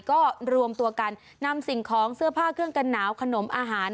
ก็รวมตัวกันนำสิ่งของเสื้อผ้าเครื่องกันหนาวขนมอาหาร